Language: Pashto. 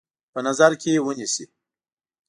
په نظر کې ونیسي.